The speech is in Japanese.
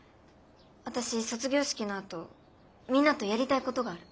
私卒業式のあとみんなとやりたいことがある。